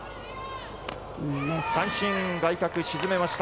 三振、外角沈めました。